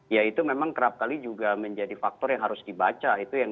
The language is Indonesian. ya itu memang kerap kali juga menjadi faktor yang harus dibaca